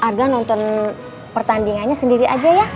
arga nonton pertandingannya sendiri aja ya